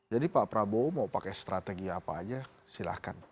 jadi pak prabowo mau pakai strategi apa aja silahkan